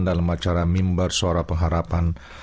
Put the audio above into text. dalam acara mimbar suara pengharapan